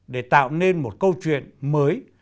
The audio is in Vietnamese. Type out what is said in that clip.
để tạo nên một câu chuyện mới